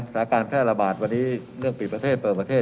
สถานการณ์แพร่ระบาดวันนี้เรื่องปิดประเทศเปิดประเทศ